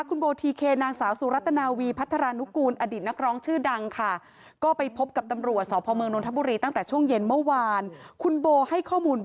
คุณโบทีเคนางสาวสุรตนาวีพัทรานุกูล